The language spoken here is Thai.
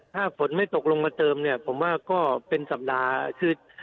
ถ้าฝนไม่ตกลงมาเติมเนี่ยผมว่าก็เป็นสัปดาห์คือ